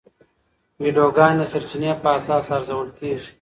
ویډیوګانې د سرچینې په اساس ارزول کېږي.